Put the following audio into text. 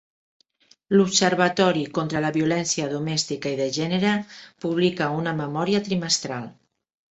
L'Observatori contra la Violència Domèstica i de Gènere publica una memòria trimestral.